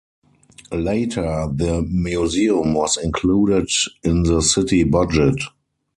Later the museum was included in the city budget.